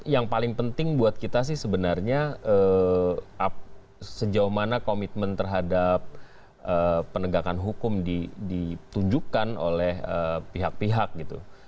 yang paling penting buat kita sih sebenarnya sejauh mana komitmen terhadap penegakan hukum ditunjukkan oleh pihak pihak gitu